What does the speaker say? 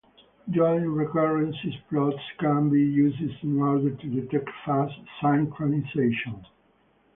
Joint recurrence plots can be used in order to detect phase synchronisation.